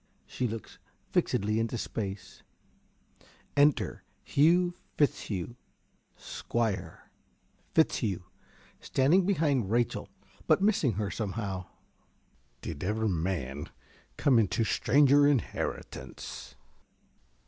(She looks fixedly into space.) Enter Hugh Fitzhugh, Squire. ~Fitzhugh~ (standing behind Rachel, but missing her somehow). Did ever man come into stranger inheritance?